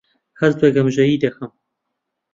هەست بە گەمژەیی دەکەم.